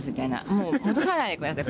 もう戻さないでください